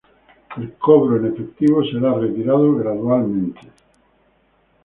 El cobro en efectivo será retirado gradualmente.